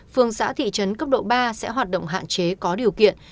phường xã thị trấn cấp độ ba sẽ hoạt động hạn chế có điều kiện